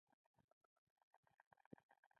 مصب هغه ځاي دې چې د سیندونو اوبه تویږي.